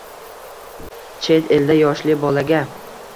Chet elda yoshli bolaga